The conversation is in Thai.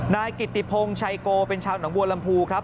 นายกิติพงชัยโกเป็นชาวหนองบัวลำพูครับ